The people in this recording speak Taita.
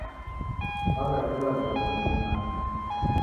Kwaw'eredelwa njogholo nyuma.